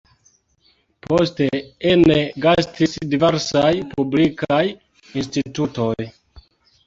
Poste ene gastis diversaj publikaj institutoj.